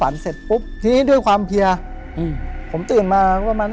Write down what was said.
นอนไปก็ถึงประมาณ